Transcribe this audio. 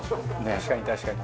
確かに確かに。